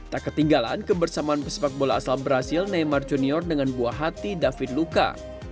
tak ketinggalan kebersamaan pesepak bola asal brazil neymar junior dengan buah hati david luka